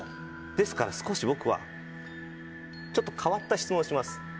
ですから少し僕はちょっと変わった質問をします。